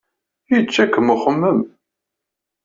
Yečča-kem uxemmem.